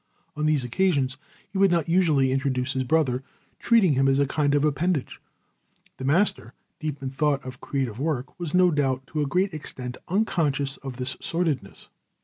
On these occasions he would not usually introduce his brother, treating him as a kind of appendage. The master, deep in the thought of creative work, was, no doubt, to a great extent unconscious of this sordidness.